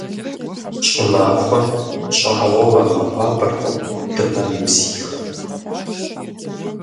ЩӀымахуэм щӀагъуэ уагъэхуабэркъым дыгъэм и бзийхэм.